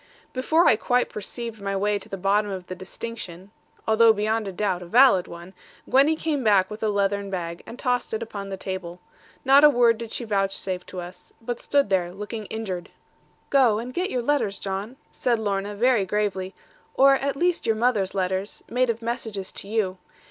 Before I quite perceived my way to the bottom of the distinction although beyond doubt a valid one Gwenny came back with a leathern bag, and tossed it upon the table. Not a word did she vouchsafe to us; but stood there, looking injured. 'Go, and get your letters, John,' said Lorna very gravely; 'or at least your mother's letters, made of messages to you.